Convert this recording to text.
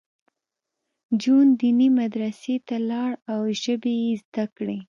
جون دیني مدرسې ته لاړ او ژبې یې زده کړې